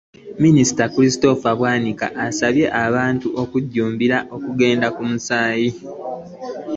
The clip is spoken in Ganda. Minisita Christopher Bwanika asabye abantu okujjumbira okugaba omusaayi.